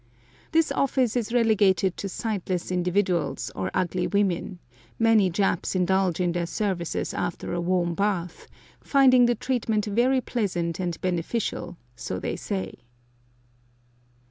This office is relegated to sightless individuals or ugly old women; many Japs indulge in their services after a warm bath, finding the treatment very pleasant and beneficial, so they say.